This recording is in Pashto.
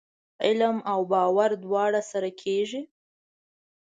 علم او باور دواړه سره کېږي ؟